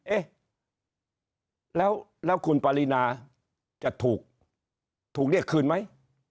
เอ๊ะแล้วคุณปรินาจะถูกเรียกคืนไหม